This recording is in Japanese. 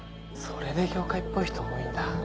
それで業界っぽい人多いんだ。